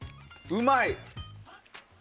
うまい！